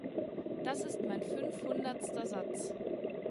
Das ist mein fünfhundertster Satz.